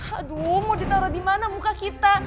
aduh mau ditaro dimana muka kita